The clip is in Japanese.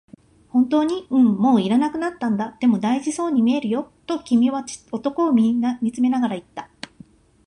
「本当に？」、「うん、もう要らなくなったんだ」、「でも、大事そうに見えるよ」と君は男を見つめながら言った。